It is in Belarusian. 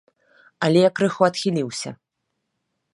Але я крыху адхіліўся.